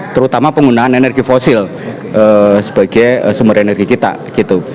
terutama penggunaan energi fosil sebagai sumber energi kita gitu